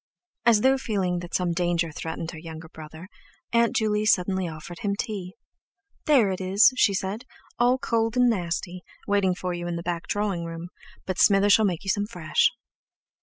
As though feeling that some danger threatened her younger brother, Aunt Juley suddenly offered him tea: "There it is," she said, "all cold and nasty, waiting for you in the back drawing room, but Smither shall make you some fresh."